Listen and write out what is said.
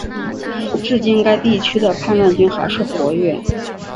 至今该地区的叛乱军还是活跃。